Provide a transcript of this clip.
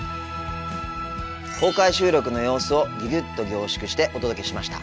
公開収録の様子をギュギュッと凝縮してお届けしました。